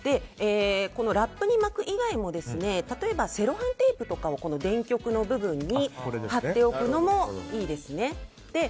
ラップに巻く以外も例えばセロハンテープとかを電極の部分に貼っておくのもいいですね。